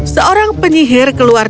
seorang penyihir keluar